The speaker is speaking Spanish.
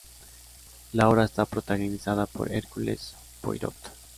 La obra está protagonizada por Hercules Poirot.